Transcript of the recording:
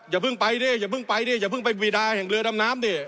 อย่าเพิ่งไปดิอย่าเพิ่งไปดิอย่าเพิ่งไปวีดาแห่งเรือดำน้ำดิ